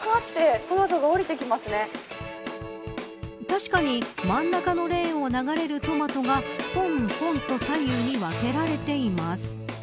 確かに、真ん中のレーンを流れるトマトが、ぽんぽんと左右に分けられています。